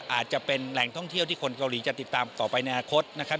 อาจจะเป็นแหล่งท่องเที่ยวที่คนเกาหลีจะติดตามต่อไปในอนาคตนะครับ